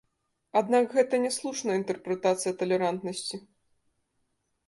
Аднак гэта няслушная інтэрпрэтацыя талерантнасці.